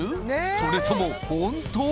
それとも本当？